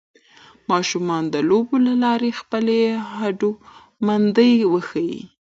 ماشومان د لوبو له لارې خپله هوډمندۍ وښيي